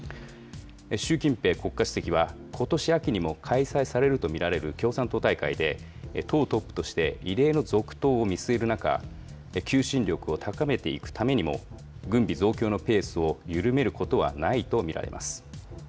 習近平国家主席はことし秋にも開催されると見られる共産党大会で、党トップとして異例の続投を見据える中、求心力を高めていくためにも、軍備増強のペースを緩めることはないと見られます。